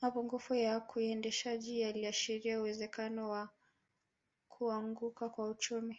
Mapungufu ya kiuendeshaji yaliashiria uwezekano wa kuanguka kwa uchumi